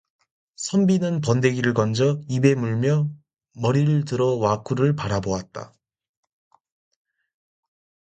선비는 번데기를 건져 입에 물며 머리를 들어 와꾸를 바라보았다.